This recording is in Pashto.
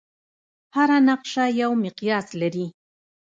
هره نقشه یو مقیاس لري.